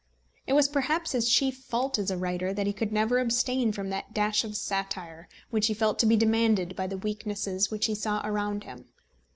It was perhaps his chief fault as a writer that he could never abstain from that dash of satire which he felt to be demanded by the weaknesses which he saw around him.